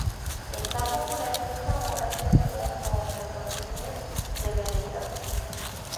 Es tan popular que en Zamora se emplea como metonimia de veleta.